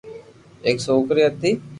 ايڪ سوڪرو ھتي